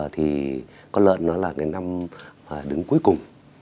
thì con lợn nó là cái năm đứng cuối cùng